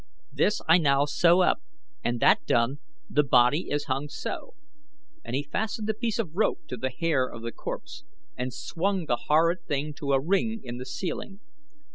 This I now sew up, and that done, the body is hung so," and he fastened a piece of rope to the hair of the corpse and swung the horrid thing to a ring in the ceiling.